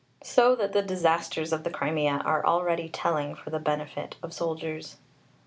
So that the disasters of the Crimea are already telling for the benefit of the soldiers."